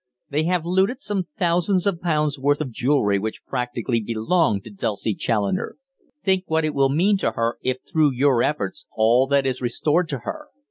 They have looted some thousands of pounds' worth of jewellery which practically belonged to Dulcie Challoner. Think what it will mean to her if through your efforts all that is restored to her.